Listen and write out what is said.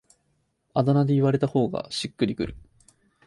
あだ名で言われた方がしっくりくる